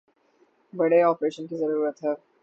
بڑے آپریشن کی ضرورت ہے